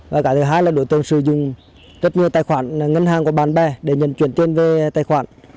và cái thứ hai là đối tượng sử dụng rất nhiều tài khoản ngân hàng của bạn bè để nhận chuyển tiền về tài khoản